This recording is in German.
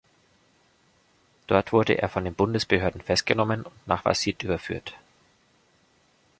Dort wurde er von den Bundesbehörden festgenommen und nach Wasit überführt.